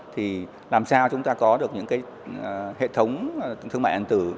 thì làm sao chúng ta có được những cái hệ thống thương mại điện tử